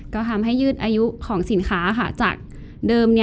ก็ทำให้ยืดอายุของสินค้าจากเดิม